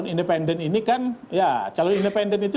independen ini kan ya calon independen itu